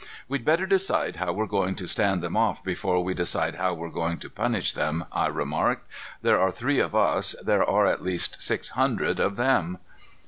"We'd better decide how we're going to stand them off before we decide how we're going to punish them," I remarked. "There are three of us. There are at least six hundred of them."